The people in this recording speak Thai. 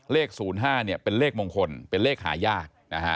เลข๐๕เป็นเลขมงคลเป็นเลขหายากนะฮะ